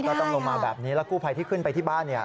ก็ต้องลงมาแบบนี้แล้วกู้ไพที่ขึ้นไปที่บ้าน